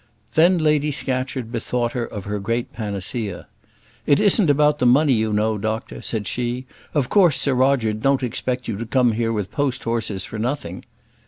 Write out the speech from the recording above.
Then Lady Scatcherd bethought her of her great panacea. "It isn't about the money, you know, doctor," said she; "of course Sir Roger don't expect you to come here with post horses for nothing."